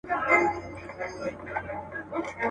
راته مه راکوه زېری د ګلونو د ګېډیو.